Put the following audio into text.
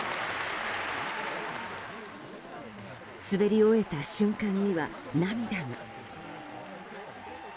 滑り終えた瞬間には涙が。